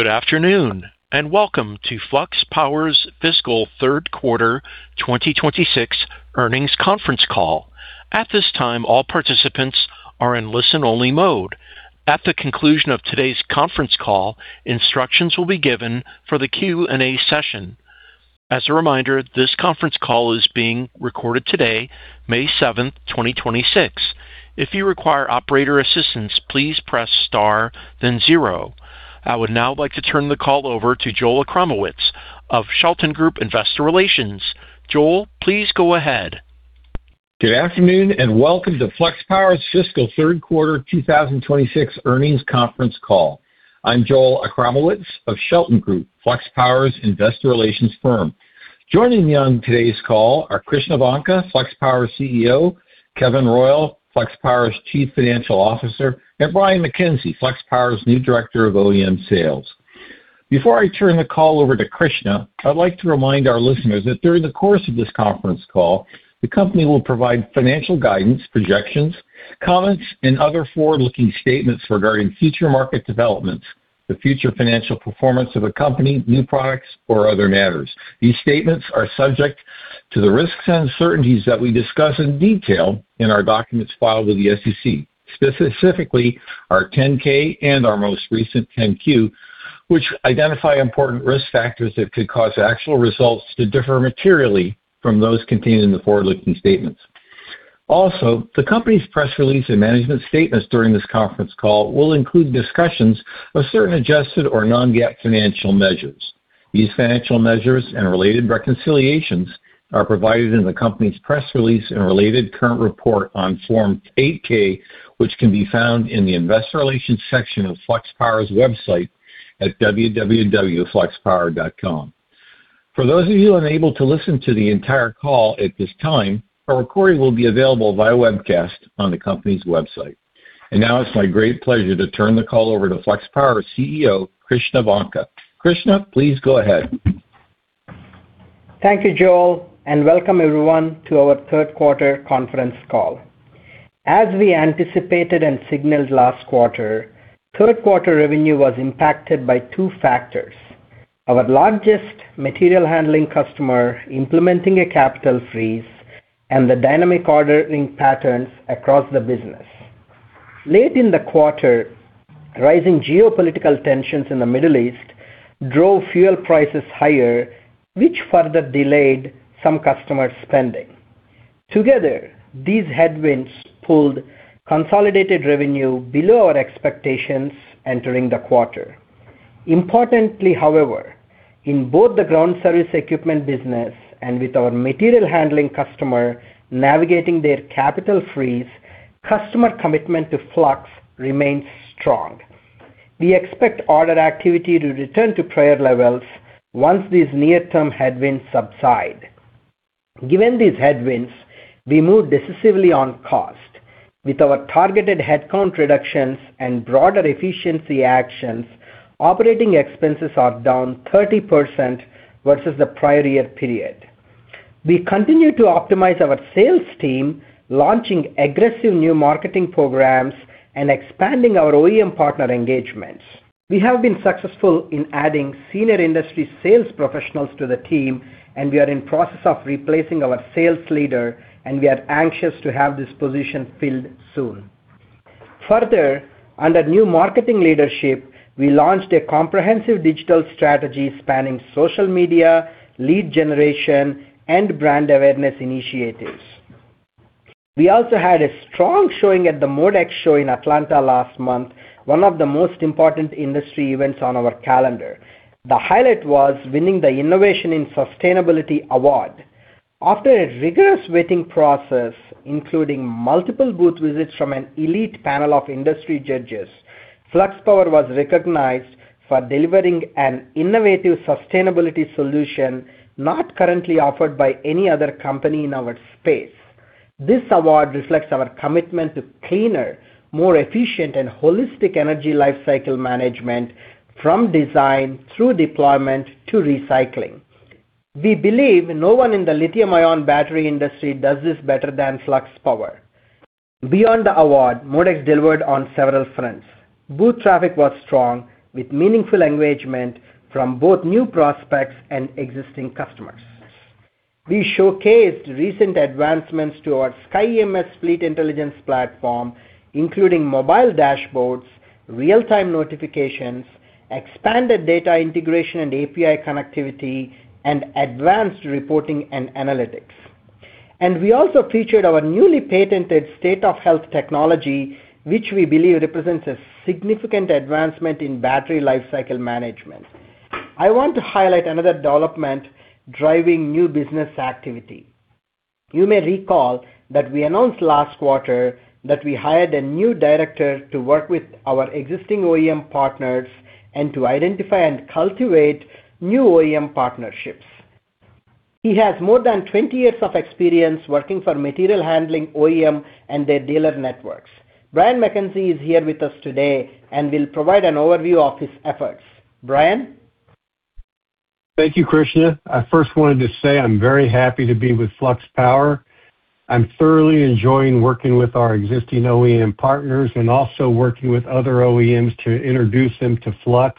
Good afternoon, and welcome to Flux Power's fiscal third quarter 2026 earnings conference call. At this time, all participants are in listen-only mode. At the conclusion of today's conference call, instructions will be given for the Q&A session. As a reminder, this conference call is being recorded today, May 7th, 2026. If you require operator assistance, please press star then zero. I would now like to turn the call over to Joel Achramowicz of Shelton Group Investor Relations. Joel, please go ahead. Good afternoon, welcome to Flux Power's fiscal third quarter 2026 earnings conference call. I'm Joel Achramowicz of Shelton Group, Flux Power's investor relations firm. Joining me on today's call are Krishna Vanka, Flux Power's CEO, Kevin Royal, Flux Power's Chief Financial Officer, and Brian McKenzie, Flux Power's new Director of OEM Sales. Before I turn the call over to Krishna, I'd like to remind our listeners that during the course of this conference call, the company will provide financial guidance, projections, comments, and other forward-looking statements regarding future market developments, the future financial performance of the company, new products, or other matters. These statements are subject to the risks and uncertainties that we discuss in detail in our documents filed with the SEC, specifically our 10-K and our most recent 10-Q, which identify important risk factors that could cause actual results to differ materially from those contained in the forward-looking statements. Also, the company's press release and management statements during this conference call will include discussions of certain adjusted or non-GAAP financial measures. These financial measures and related reconciliations are provided in the company's press release and related current report on Form 8-K, which can be found in the investor relations section of Flux Power's website at www.fluxpower.com. For those of you unable to listen to the entire call at this time, a recording will be available via webcast on the company's website. Now it's my great pleasure to turn the call over to Flux Power CEO, Krishna Vanka. Krishna, please go ahead. Thank you, Joel, welcome everyone to our third quarter conference call. As we anticipated and signaled last quarter, third quarter revenue was impacted by two factors: our largest material handling customer implementing a capital freeze and the dynamic ordering patterns across the business. Late in the quarter, rising geopolitical tensions in the Middle East drove fuel prices higher, which further delayed some customer spending. Together, these headwinds pulled consolidated revenue below our expectations entering the quarter. Importantly, however, in both the ground service equipment business and with our material handling customer navigating their capital freeze, customer commitment to Flux remains strong. We expect order activity to return to prior levels once these near-term headwinds subside. Given these headwinds, we moved decisively on cost. With our targeted headcount reductions and broader efficiency actions, operating expenses are down 30% versus the prior year period. We continue to optimize our sales team, launching aggressive new marketing programs and expanding our OEM partner engagements. We have been successful in adding senior industry sales professionals to the team, and we are in process of replacing our sales leader, and we are anxious to have this position filled soon. Under new marketing leadership, we launched a comprehensive digital strategy spanning social media, lead generation, and brand awareness initiatives. We also had a strong showing at the MODEX show in Atlanta last month, one of the most important industry events on our calendar. The highlight was winning the Innovation in Sustainability Award. After a rigorous vetting process, including multiple booth visits from an elite panel of industry judges, Flux Power was recognized for delivering an innovative sustainability solution not currently offered by any other company in our space. This award reflects our commitment to cleaner, more efficient, and holistic energy lifecycle management from design through deployment to recycling. We believe no one in the lithium-ion battery industry does this better than Flux Power. Beyond the award, MODEX delivered on several fronts. Booth traffic was strong, with meaningful engagement from both new prospects and existing customers. We showcased recent advancements to our SkyBMS fleet intelligence platform, including mobile dashboards, real-time notifications, expanded data integration and API connectivity, and advanced reporting and analytics. We also featured our newly patented State of Health technology, which we believe represents a significant advancement in battery life cycle management. I want to highlight another development driving new business activity. You may recall that we announced last quarter that we hired a new director to work with our existing OEM partners and to identify and cultivate new OEM partnerships. He has more than 20 years of experience working for material handling OEM and their dealer networks. Brian McKenzie is here with us today and will provide an overview of his efforts. Brian. Thank you, Krishna. I first wanted to say I'm very happy to be with Flux Power. I'm thoroughly enjoying working with our existing OEM partners and also working with other OEMs to introduce them to Flux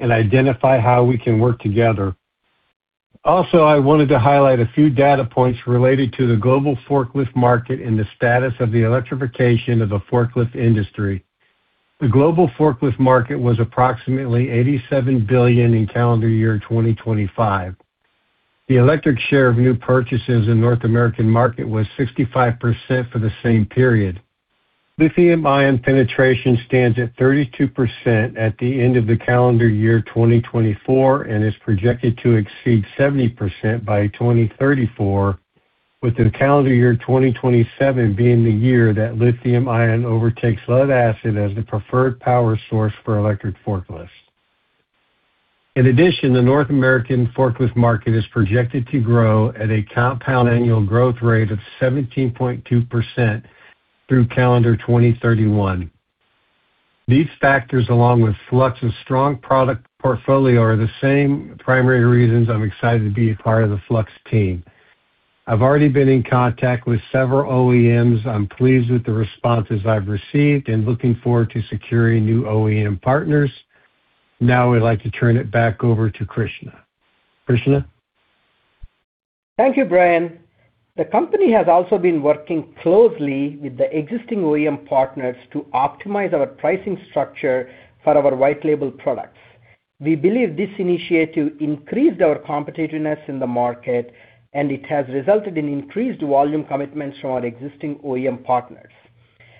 and identify how we can work together. Also, I wanted to highlight a few data points related to the global forklift market and the status of the electrification of the forklift industry. The global forklift market was approximately $87 billion in calendar year 2025. The electric share of new purchases in North American market was 65% for the same period. Lithium-ion penetration stands at 32% at the end of the calendar year 2024, and is projected to exceed 70% by 2034, with the calendar year 2027 being the year that lithium-ion overtakes lead-acid as the preferred power source for electric forklifts. In addition, the North American forklift market is projected to grow at a compound annual growth rate of 17.2% through calendar 2031. These factors, along with Flux's strong product portfolio, are the same primary reasons I'm excited to be a part of the Flux team. I've already been in contact with several OEMs. I'm pleased with the responses I've received and looking forward to securing new OEM partners. Now I'd like to turn it back over to Krishna. Krishna. Thank you, Brian. The company has also been working closely with the existing OEM partners to optimize our pricing structure for our white label products. We believe this initiative increased our competitiveness in the market, and it has resulted in increased volume commitments from our existing OEM partners.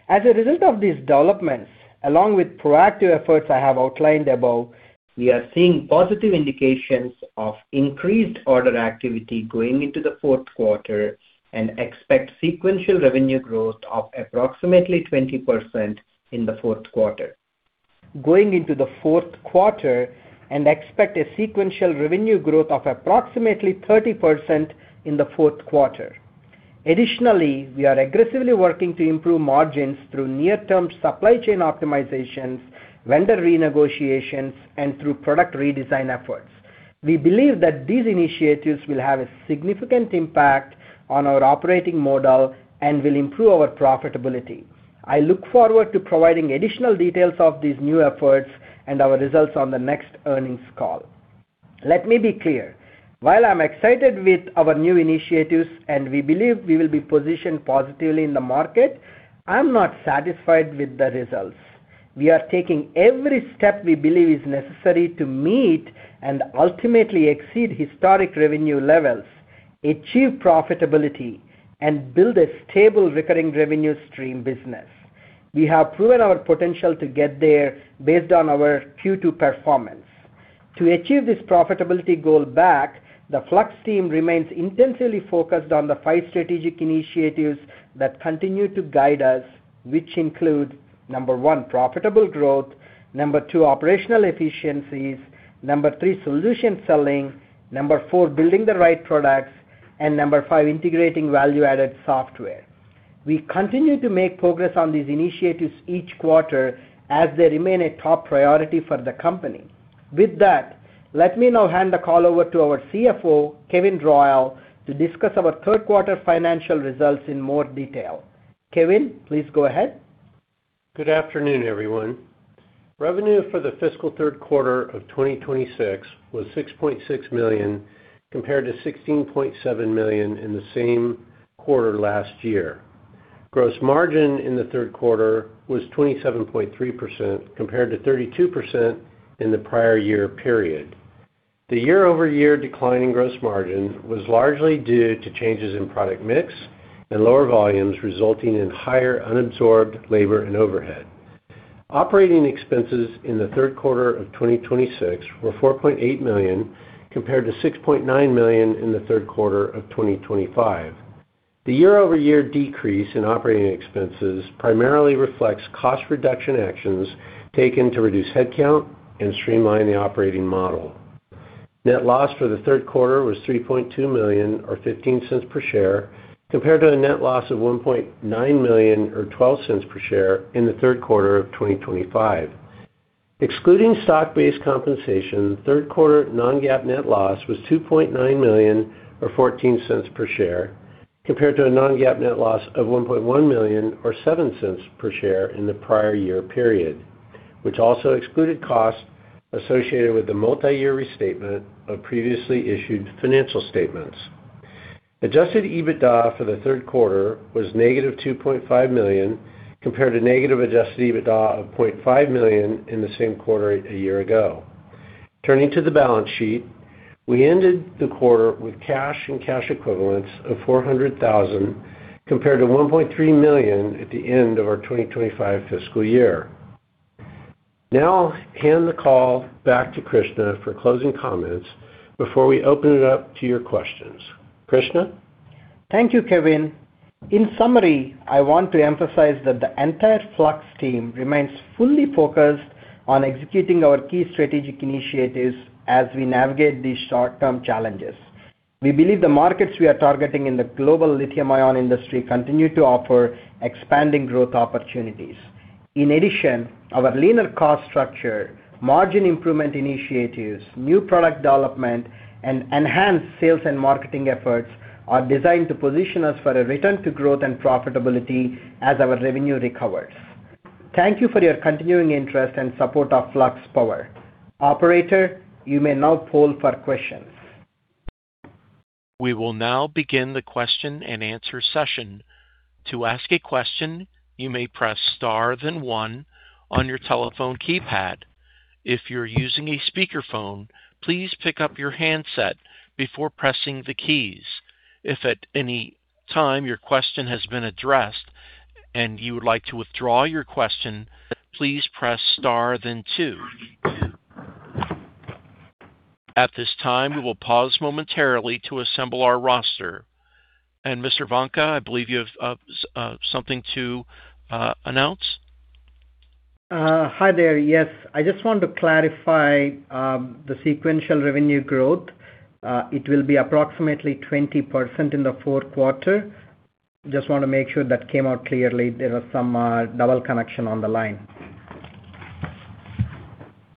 As a result of these developments, along with proactive efforts I have outlined above, we are seeing positive indications of increased order activity going into the fourth quarter and expect sequential revenue growth of approximately 20% in the fourth quarter. Going into the fourth quarter and expect a sequential revenue growth of approximately 30% in the fourth quarter. Additionally, we are aggressively working to improve margins through near-term supply chain optimizations, vendor renegotiations, and through product redesign efforts. We believe that these initiatives will have a significant impact on our operating model and will improve our profitability. I look forward to providing additional details of these new efforts and our results on the next earnings call. Let me be clear, while I'm excited with our new initiatives and we believe we will be positioned positively in the market, I'm not satisfied with the results. We are taking every step we believe is necessary to meet and ultimately exceed historic revenue levels, achieve profitability, and build a stable recurring revenue stream business. We have proven our potential to get there based on our Q2 performance. To achieve this profitability goal back, the Flux team remains intentionally focused on the five strategic initiatives that continue to guide us, which include, number one, profitable growth, number two, operational efficiencies, number three, solution selling, number four, building the right products, and number five, integrating value-added software. We continue to make progress on these initiatives each quarter as they remain a top priority for the company. With that, let me now hand the call over to our CFO, Kevin Royal, to discuss our third quarter financial results in more detail. Kevin, please go ahead. Good afternoon, everyone. Revenue for the fiscal third quarter of 2026 was $6.6 million, compared to $16.7 million in the same quarter last year. Gross margin in the third quarter was 27.3%, compared to 32% in the prior year period. The year-over-year decline in gross margin was largely due to changes in product mix and lower volumes, resulting in higher unabsorbed labor and overhead. Operating expenses in the third quarter of 2026 were $4.8 million, compared to $6.9 million in the third quarter of 2025. The year-over-year decrease in operating expenses primarily reflects cost reduction actions taken to reduce headcount and streamline the operating model. Net loss for the third quarter was $3.2 million or $0.15 per share, compared to a net loss of $1.9 million or $0.12 per share in the third quarter of 2025. Excluding stock-based compensation, third quarter non-GAAP net loss was $2.9 million or $0.14 per share, compared to a non-GAAP net loss of $1.1 million or $0.07 per share in the prior year period, which also excluded costs associated with the multi-year restatement of previously issued financial statements. Adjusted EBITDA for the third quarter was -$2.5 million, compared to negative Adjusted EBITDA of $0.5 million in the same quarter a year ago. Turning to the balance sheet, we ended the quarter with cash and cash equivalents of $400,000, compared to $1.3 million at the end of our 2025 fiscal year. I'll hand the call back to Krishna for closing comments before we open it up to your questions. Krishna. Thank you, Kevin. In summary, I want to emphasize that the entire Flux team remains fully focused on executing our key strategic initiatives as we navigate these short-term challenges. We believe the markets we are targeting in the global lithium-ion industry continue to offer expanding growth opportunities. Our leaner cost structure, margin improvement initiatives, new product development, and enhanced sales and marketing efforts are designed to position us for a return to growth and profitability as our revenue recovers. Thank you for your continuing interest and support of Flux Power. Operator, you may now poll for questions. We will now begin the question and answer session. To ask a question, you may press star then one on your telephone keypad. If you're using a speakerphone, please pick up your handset before pressing the keys. If at any time your question has been addressed and you would like to withdraw your question, please press star then two. At this time, we will pause momentarily to assemble our roster. Mr. Vanka, I believe you have something to announce. Hi there. Yes. I just want to clarify the sequential revenue growth. It will be approximately 20% in the fourth quarter. Just want to make sure that came out clearly. There was some double connection on the line.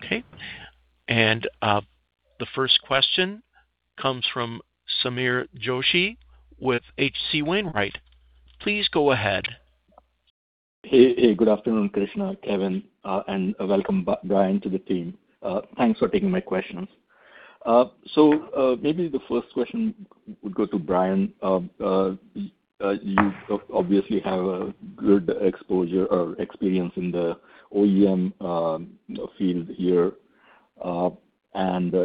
Okay. The first question comes from Sameer Joshi with H.C. Wainwright. Please go ahead. Hey. Good afternoon, Krishna, Kevin, and welcome Brian to the team. Thanks for taking my questions. Maybe the first question would go to Brian. You obviously have a good exposure or experience in the OEM field here.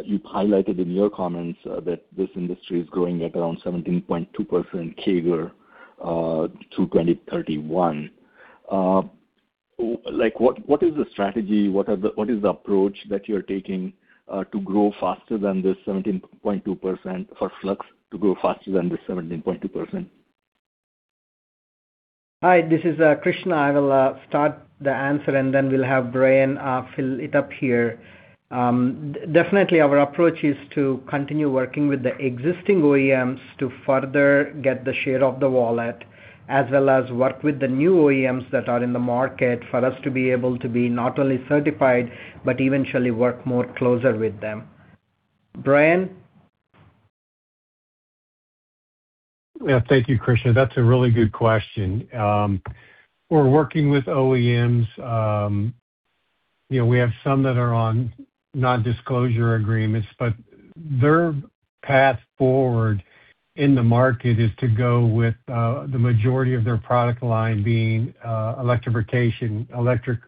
You've highlighted in your comments that this industry is growing at around 17.2% CAGR through 2031. Like what is the strategy? What is the approach that you're taking to grow faster than the 17.2% for Flux to grow faster than the 17.2%? Hi, this is Krishna. I will start the answer, and then we'll have Brian fill it up here. Definitely our approach is to continue working with the existing OEMs to further get the share of the wallet, as well as work with the new OEMs that are in the market for us to be able to be not only certified, but eventually work more closer with them. Brian? Thank you, Krishna. That's a really good question. We're working with OEMs. You know, we have some that are on non-disclosure agreements, but their path forward in the market is to go with the majority of their product line being electrification, electric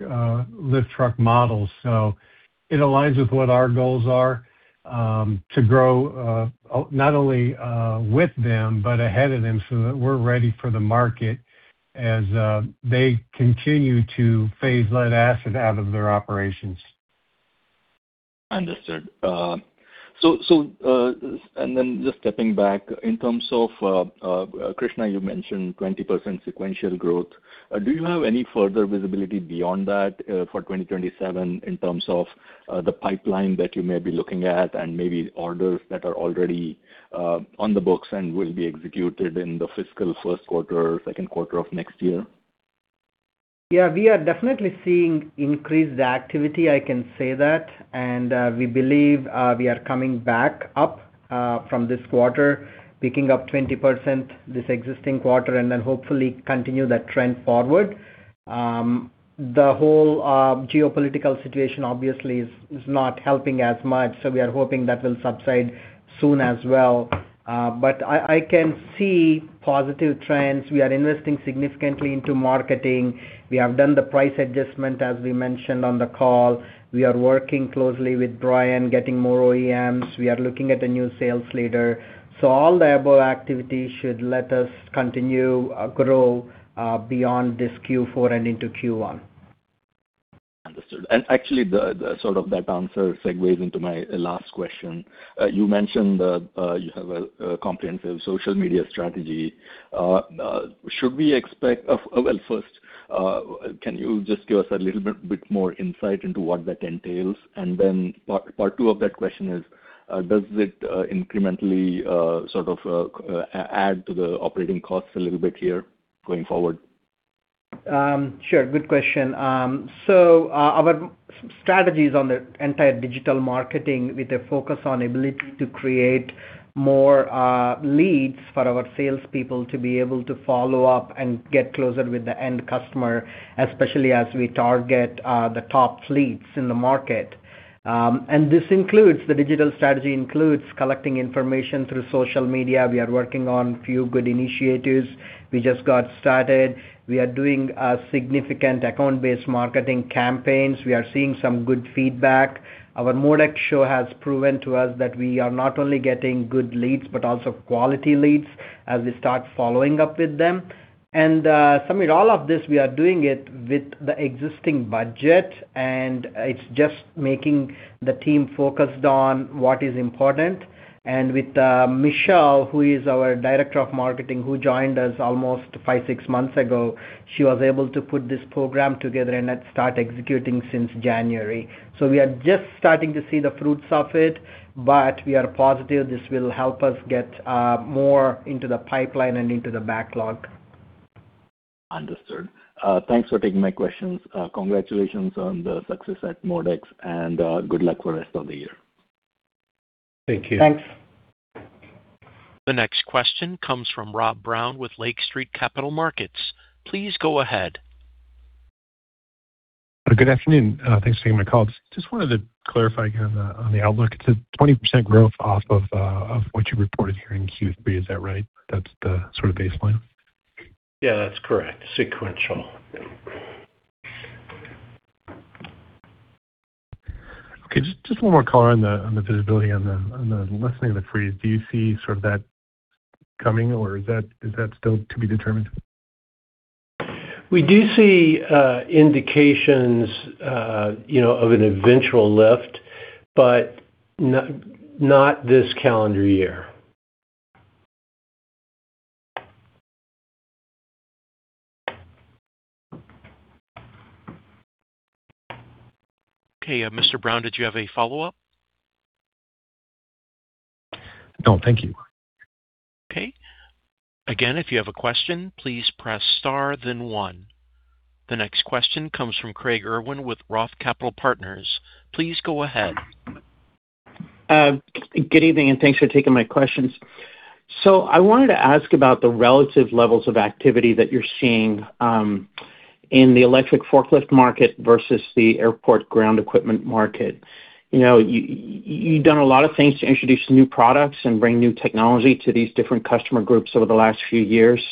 lift truck models. It aligns with what our goals are to grow not only with them, but ahead of them so that we're ready for the market as they continue to phase lead-acid out of their operations. Understood. Just stepping back, in terms of, Krishna, you mentioned 20% sequential growth. Do you have any further visibility beyond that for 2027 in terms of the pipeline that you may be looking at and maybe orders that are already on the books and will be executed in the fiscal first quarter or second quarter of next year? Yeah. We are definitely seeing increased activity, I can say that. We believe we are coming back up from this quarter, picking up 20% this existing quarter and then hopefully continue that trend forward. The whole geopolitical situation obviously is not helping as much, we are hoping that will subside soon as well. I can see positive trends. We are investing significantly into marketing. We have done the price adjustment as we mentioned on the call. We are working closely with Brian, getting more OEMs. We are looking at a new sales leader. All the above activities should let us continue grow beyond this Q4 and into Q1. Understood. Actually, the sort of that answer segues into my last question. You mentioned that you have a comprehensive social media strategy. Well, first, can you just give us a little bit more insight into what that entails? Then part two of that question is, does it incrementally sort of add to the operating costs a little bit here going forward? Sure. Good question. Our strategy is on the entire digital marketing with a focus on ability to create more leads for our salespeople to be able to follow up and get closer with the end customer, especially as we target the top leads in the market. This includes, the digital strategy includes collecting information through social media. We are working on few good initiatives. We just got started. We are doing significant account-based marketing campaigns. We are seeing some good feedback. Our MODEX show has proven to us that we are not only getting good leads but also quality leads as we start following up with them. Sameer, all of this, we are doing it with the existing budget, and it's just making the team focused on what is important. With Michele, who is our Director of Marketing, who joined us almost five, six months ago, she was able to put this program together and then start executing since January. We are just starting to see the fruits of it, but we are positive this will help us get more into the pipeline and into the backlog. Understood. Thanks for taking my questions. Congratulations on the success at MODEX, and good luck for the rest of the year. Thank you. Thanks. The next question comes from Rob Brown with Lake Street Capital Markets. Please go ahead. Good afternoon. Thanks for taking my call. Just wanted to clarify again on the, on the outlook. It said 20% growth off of, off what you reported here in Q3. Is that right? That's the sort of baseline. Yeah, that's correct. Sequential. Okay. Just one more call on the visibility on the lessening of the freeze. Do you see sort of that coming or is that still to be determined? We do see indications, you know, of an eventual lift, but not this calendar year. Okay. Mr. Brown, did you have a follow-up? No, thank you. Okay. Again, if you have a question, please press star then one. The next question comes from Craig Irwin with Roth Capital Partners. Please go ahead. Good evening, and thanks for taking my questions. I wanted to ask about the relative levels of activity that you're seeing in the electric forklift market versus the airport ground equipment market. You know, you've done a lot of things to introduce new products and bring new technology to these different customer groups over the last few years,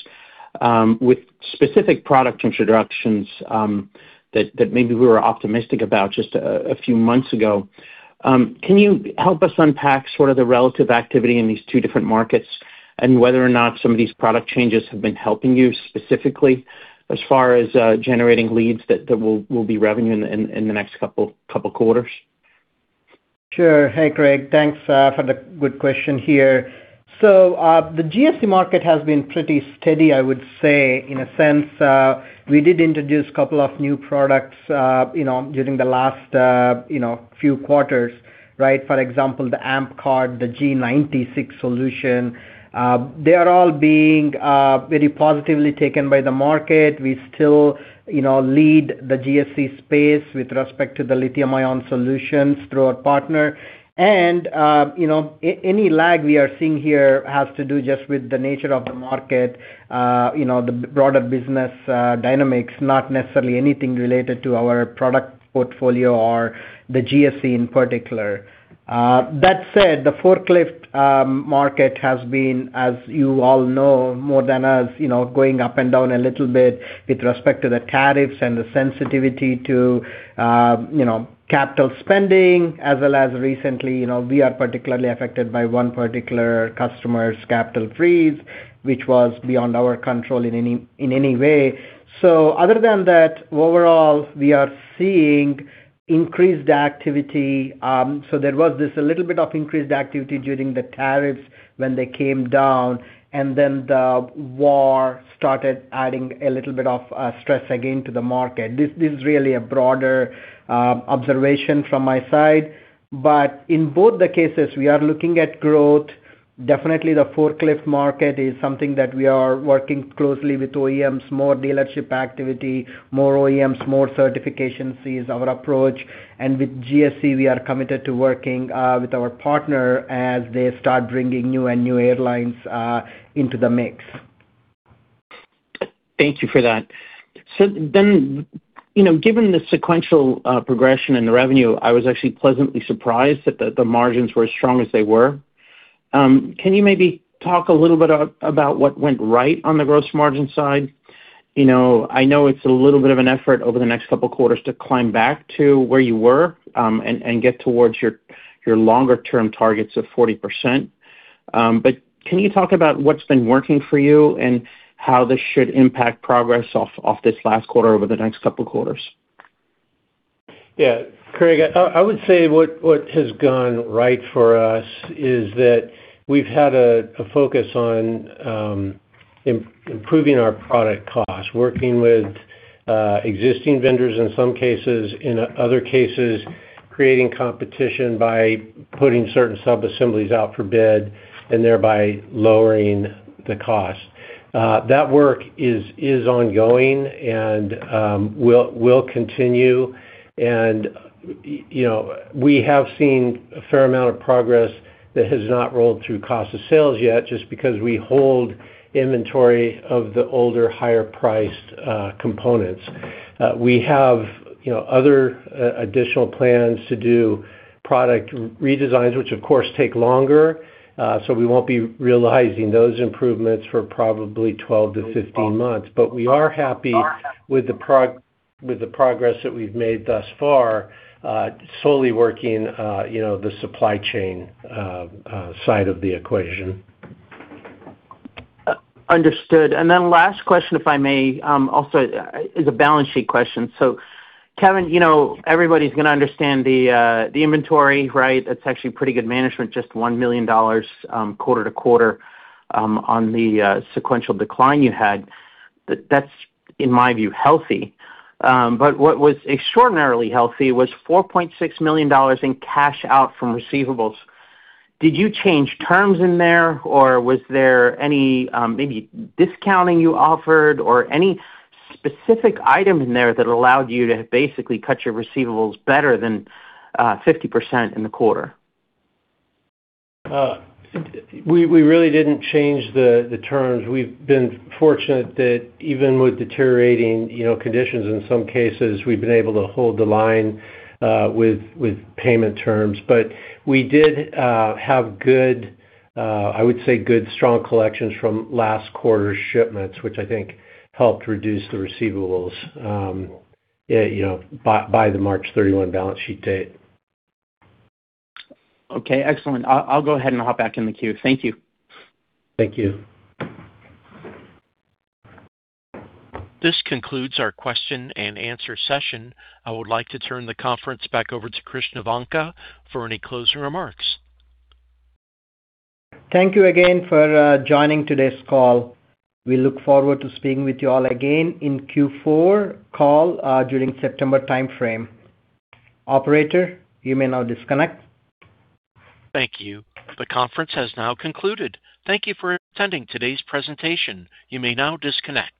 with specific product introductions that maybe we were optimistic about just a few months ago. Can you help us unpack sort of the relative activity in these two different markets and whether or not some of these product changes have been helping you specifically as far as generating leads that will be revenue in the next couple quarters? Sure. Hey, Craig. Thanks for the good question here. The GSE market has been pretty steady, I would say. In a sense, we did introduce two new products, you know, during the last, you know, few quarters, right? For example, the [Amp card, the G96 solution. They are all being very positively taken by the market. We still, you know, lead the GSE space with respect to the lithium-ion solutions through our partner. You know, any lag we are seeing here has to do just with the nature of the market, you know, the broader business dynamics, not necessarily anything related to our product portfolio or the GSE in particular. That said, the forklift market has been, as you all know more than us, you know, going up and down a little bit with respect to the tariffs and the sensitivity to, you know, capital spending, as well as recently, you know, we are particularly affected by one particular customer's capital freeze, which was beyond our control in any way. Other than that, overall, we are seeing increased activity. There was this a little bit of increased activity during the tariffs when they came down, and then the war started adding a little bit of stress again to the market. This is really a broader observation from my side. In both the cases, we are looking at growth. Definitely the forklift market is something that we are working closely with OEMs, more dealership activity, more OEMs, more certification sees our approach. With GSE, we are committed to working with our partner as they start bringing new and new airlines into the mix. Thank you for that. You know, given the sequential progression in the revenue, I was actually pleasantly surprised that the margins were as strong as they were. Can you maybe talk a little bit about what went right on the gross margin side? You know, I know it's a little bit of an effort over the next couple of quarters to climb back to where you were, and get towards your longer term targets of 40%. Can you talk about what's been working for you and how this should impact progress off this last quarter over the next couple quarters? Craig, I would say what has gone right for us is that we've had a focus on improving our product costs, working with existing vendors in some cases. In other cases, creating competition by putting certain sub-assemblies out for bid and thereby lowering the cost. That work is ongoing and will continue. You know, we have seen a fair amount of progress that has not rolled through cost of sales yet just because we hold inventory of the older, higher priced components. We have, you know, other additional plans to do product redesigns, which of course take longer, so we won't be realizing those improvements for probably 12 months-15 months. We are happy with the progress that we've made thus far, slowly working, you know, the supply chain side of the equation. Understood. Last question, if I may, also is a balance sheet question. Kevin, you know, everybody's gonna understand the inventory, right? That's actually pretty good management, just $1 million, quarter to quarter, on the sequential decline you had. That's, in my view, healthy. What was extraordinarily healthy was $4.6 million in cash out from receivables. Did you change terms in there, or was there any, maybe discounting you offered or any specific item in there that allowed you to basically cut your receivables better than 50% in the quarter? We really didn't change the terms. We've been fortunate that even with deteriorating, you know, conditions in some cases, we've been able to hold the line with payment terms. We did have good, I would say good, strong collections from last quarter's shipments, which I think helped reduce the receivables, yeah, you know, by the March 31 balance sheet date. Okay, excellent. I'll go ahead and hop back in the queue. Thank you. Thank you. This concludes our question and answer session. I would like to turn the conference back over to Krishna Vanka for any closing remarks. Thank you again for joining today's call. We look forward to speaking with you all again in Q4 call during September timeframe. Operator, you may now disconnect. Thank you. The conference has now concluded. Thank you for attending today's presentation. You may now disconnect.